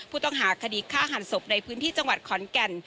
ผู้ต้องหาคดีฆ่าหันศพในพื้นที่จังหวัดขอนแก่น